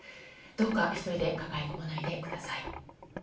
どうか１人で抱え込まないでください。